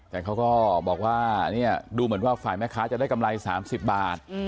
แต่เขาก็บอกว่าดูเหมือนว่าฝ่ายแม่ค้าจะได้กำไร๓๐บาท